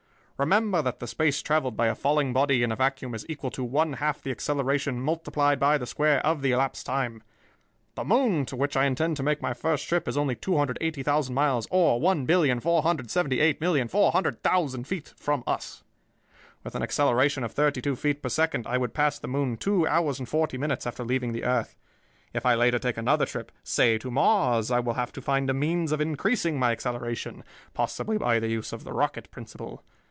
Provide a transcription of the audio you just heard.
"Remember that the space traveled by a falling body in a vacuum is equal to one half the acceleration multiplied by the square of the elapsed time. The moon, to which I intend to make my first trip, is only 280,000 miles, or 1,478,400,000 feet, from us. With an acceleration of thirty two feet per second, I would pass the moon two hours and forty minutes after leaving the earth. If I later take another trip, say to Mars, I will have to find a means of increasing my acceleration, possibly by the use of the rocket principle.